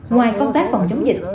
ngoài phòng chống dịch